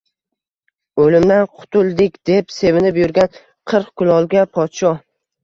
O‘limdan qutuldik, deb sevinib yurgan qirq kulolga podsho